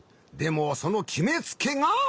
でもそのきめつけが。